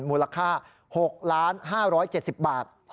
มูลค่า๖๕๗๐บาท